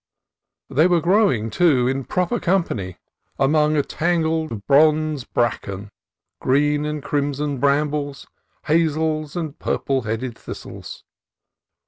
They were growing, too, in proper company, among a tangle of bronze bracken, green and crimson brambles, hazels, and purple headed thistles.